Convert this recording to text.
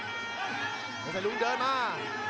อาจารย์ลุงเดินมา